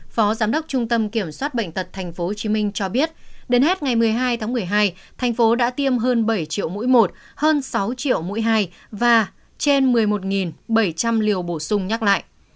phó giám đốc trung tâm kiểm soát bệnh tật tp hcm cho biết đến hết ngày một mươi hai tháng một mươi hai thành phố đã tiêm hơn bảy triệu mũi một hơn sáu triệu mũi hai và trên một mươi một bảy trăm linh liều bổ sung nhắc lại